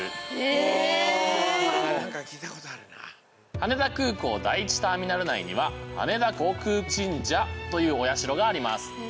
羽田空港第１ターミナル内には羽田航空神社というお社があります。